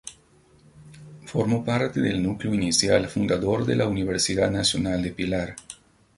Formó parte del núcleo inicial fundador de la Universidad Nacional de Pilar.